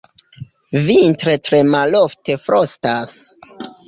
Vintre tre malofte frostas.